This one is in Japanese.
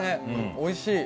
おいしい！